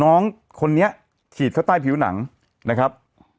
น้องคนนี้ฉีดเข้าใต้ผิวหนังนะครับ